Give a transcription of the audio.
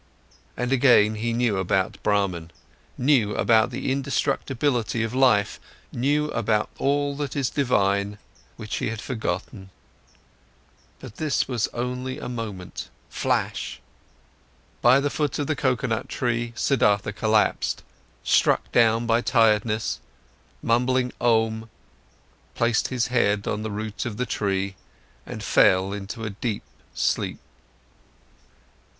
and again he knew about Brahman, knew about the indestructibility of life, knew about all that is divine, which he had forgotten. But this was only a moment, flash. By the foot of the coconut tree, Siddhartha collapsed, struck down by tiredness, mumbling Om, placed his head on the root of the tree and fell into a deep sleep.